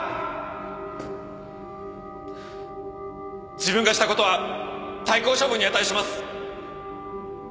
自分がしたことは退校処分に値します。